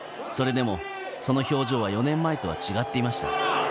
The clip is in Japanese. それでもその表情は４年前とは違っていました。